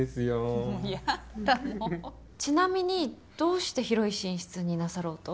ちなみにどうして広い寝室になさろうと？